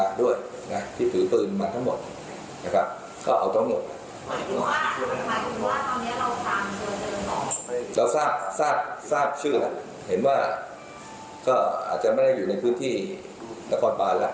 คิดว่าก็อาจจะไม่ได้อยู่ในพื้นที่ละครปานล่ะ